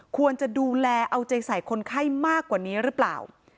ควรจะดูแลเอาใจใส่คนไข้มากกว่านี้หรือเปล่า